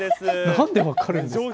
なんで分かるんですか？